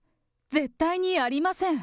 絶対にありません！